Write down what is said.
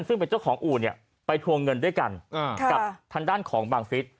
ซึ่งเป็นเจ้าของอู่เนี่ยไปทวงเงินด้วยกันกับทางด้านของบังฟิศ